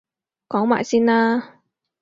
講埋先啦